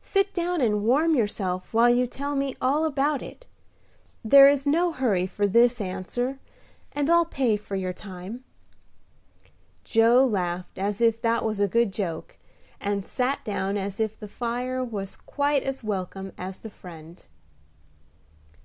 "Sit down and warm yourself while you tell me all about it; there is no hurry for this answer, and I'll pay for your time." Joe laughed as if that was a good joke, and sat down as if the fire was quite as welcome as the friend.